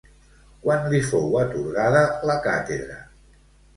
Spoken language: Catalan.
Quan li fou atorgada la càtedra?